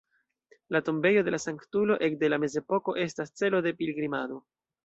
La tombejo de la sanktulo ekde la mezepoko estas celo de pilgrimado.